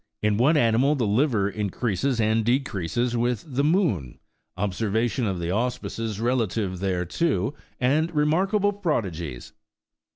IN WHAT ANIMALS THE LIVER INCREASES AND DE CREASES "WITH THE MOON. OBSERVATIONS OP THE ARHSP1CES RELATIVE THERETO, AND REMARKABLE PRODIGIES.